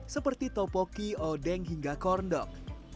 seperti topoki odeng hingga korndok